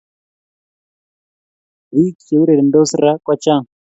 Bik che urerendos ra kochang'